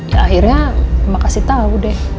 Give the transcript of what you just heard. ya akhirnya mama kasih tau deh